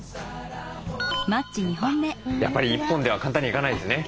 やっぱり１本では簡単にはいかないですね。